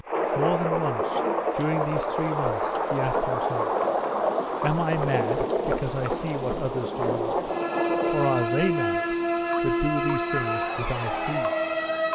More than once during these three months he asked himself, "Am I mad because I see what others do not, or are they mad that do these things that I see?"